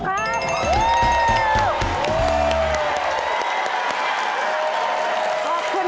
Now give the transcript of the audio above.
ผูกครับ